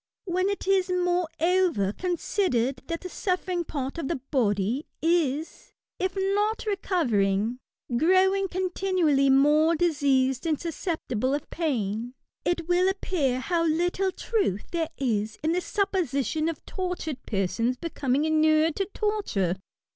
When it is, moreover^ considered that the suffering part of the body is, if not recovering, growing continuaUy more diseased and susceptible of pain, it wiU appear how little truth there is in the supposition x)f tortured persons becoming inured to torture.